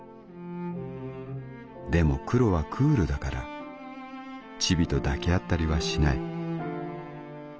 でもクロはクールだからチビと抱き合ったりはしない。